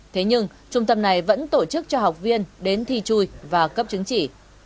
thế nhưng trung tâm này vẫn tổ chức cho học viên đến thi chui và cấp chứng chỉ